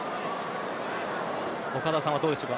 岡田さんはどうでしょうか？